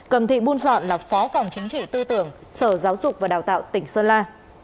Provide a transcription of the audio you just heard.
cầm thị buôn giọn là phó phòng chính trị tư tưởng sở giáo dục và đào tạo tỉnh sơn la